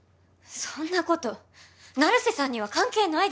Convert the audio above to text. そんなこと成瀬さんには関係ないでしょ